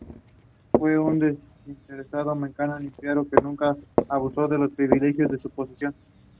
Ablett went to Boroughmuir High School and then played rugby for Boroughmuir.